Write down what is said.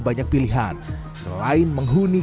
banyak pilihan selain menghuni